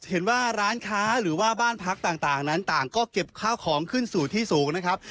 เห็นว่าร้านค้าหรือว่าบ้านพักต่างนั้นต่างก็เก็บข้าวของขึ้นสู่ที่สูงนะครับ